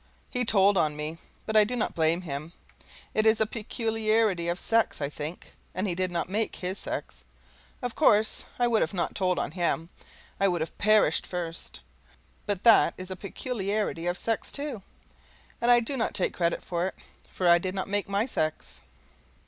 He told on me, but I do not blame him; it is a peculiarity of sex, I think, and he did not make his sex. Of course I would not have told on him, I would have perished first; but that is a peculiarity of sex, too, and I do not take credit for it, for I did not make my sex.